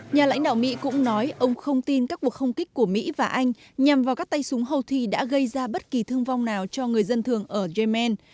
nhà lãnh đạo mỹ cũng nói ông không tin các cuộc không kích của mỹ và anh nhằm vào các tay súng houthi đã gây ra bất kỳ thương vong nào cho người dân thường ở yemen